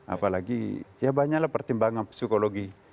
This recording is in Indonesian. apalagi ya banyaklah pertimbangan psikologi